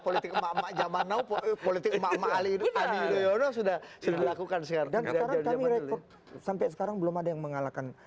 politik mama mama jamanau politik mama alih itu sudah lakukan sampai sekarang belum ada yang mengalahkan